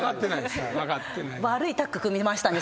悪いタッグ組みましたね